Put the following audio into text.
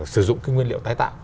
sử dụng nguyên liệu tái tạo